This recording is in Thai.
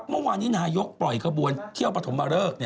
เมื่อวานนี้นายกปล่อยขบวนเที่ยวปฐมเริก